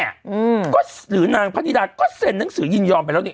หรือนางพ๕๐๐ก็เสร็นหนังสือยืนยอมไปแล้วนี่